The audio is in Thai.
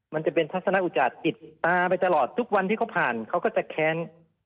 มันจะเป็นทัศนอุจจาปิดตาไปตลอดทุกวันที่เขาผ่านเขาก็จะแค้น